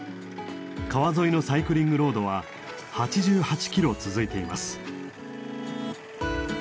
川沿いのサイクリングロードは８８キロ続いています。